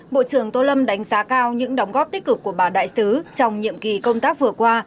bộ trưởng tô lâm đánh giá cao những đóng góp tích cực của bà đại sứ trong nhiệm kỳ công tác vừa qua